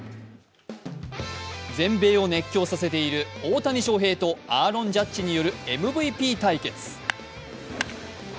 全米を熱狂させている大谷翔平とアーロン・ジャッジによるＭＶＰ対決。